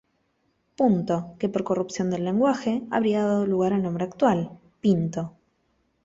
Punto, que por corrupción del lenguaje, habría dado lugar al nombre actual: Pinto.